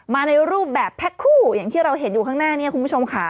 ในรูปแบบแพ็คคู่อย่างที่เราเห็นอยู่ข้างหน้านี้คุณผู้ชมค่ะ